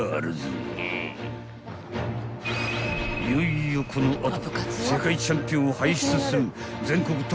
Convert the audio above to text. ［いよいよこの後］